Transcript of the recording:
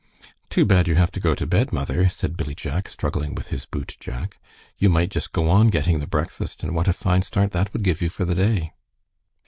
"Too bad you have to go to bed, mother," said Billy Jack, struggling with his boot jack. "You might just go on getting the breakfast, and what a fine start that would give you for the day."